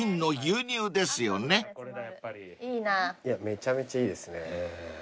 めちゃめちゃいいですね。